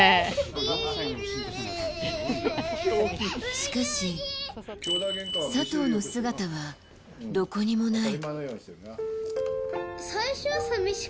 しかし、佐藤の姿はどこにもない。